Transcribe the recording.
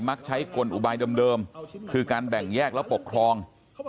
มักใช้กลอุบายเดิมคือการแบ่งแยกและปกครอง